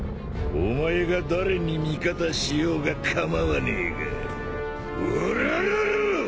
お前が誰に味方しようが構わねえがウォロロロ！